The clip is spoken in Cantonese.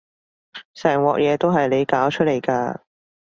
成鑊嘢都係你搞出嚟㗎